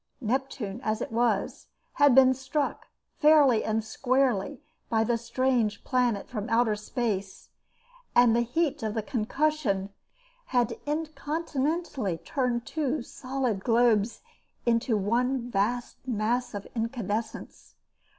Neptune it was, had been struck, fairly and squarely, by the strange planet from outer space and the heat of the concussion had incontinently turned two solid globes into one vast mass of incandescence.